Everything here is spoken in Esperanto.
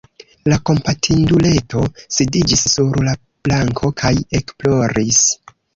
La kompatinduleto sidiĝis sur la planko kaj ekploris.